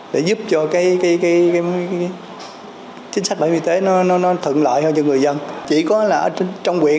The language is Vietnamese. để giúp cho cái chính sách bảo hiểm y tế nó thượng lợi hơn cho người dân chỉ có là ở trung tâm y tế